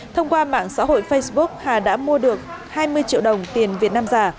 thông qua mạng xã hội facebook hà đã mua được hai mươi triệu đồng tiền việt nam giả